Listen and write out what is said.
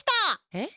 えっ？